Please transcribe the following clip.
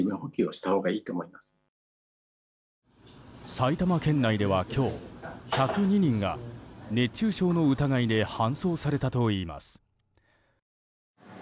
埼玉県内では今日、１０２人が熱中症の疑いで搬送されたといいます。